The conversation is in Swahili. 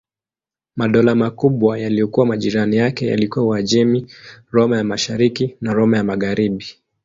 Madola makubwa yaliyokuwa majirani yake yalikuwa Uajemi, Roma ya Mashariki na Roma ya Magharibi.